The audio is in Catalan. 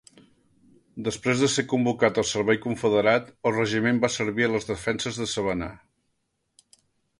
Després de ser convocat al servei confederat, el regiment va servir a les defenses de Savannah.